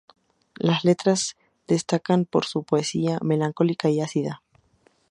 Las letras se destacan por su poesía melancólica y ácida.